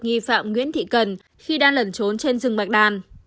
nghi phạm nguyễn thị cần khi đang lẩn trốn trên rừng bạch đàn